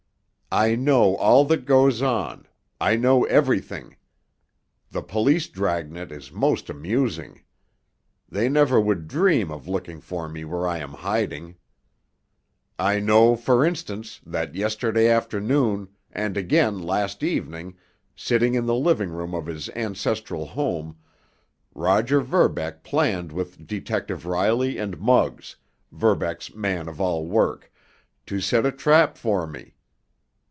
I know all that goes on—I know everything! The police dragnet is most amusing. They never would dream of looking for me where I am hiding! I know, for instance, that yesterday afternoon, and again last evening, sitting in the living room of his ancestral home, Roger Verbeck planned with Detective Riley and Muggs, Verbeck's man of all work, to set a trap for me.